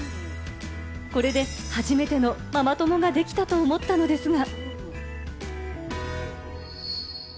これで初めてのママ友ができたと思ったのですが。